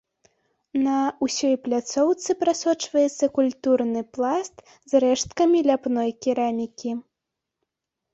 На ўсёй пляцоўцы прасочваецца культурны пласт з рэшткамі ляпной керамікі.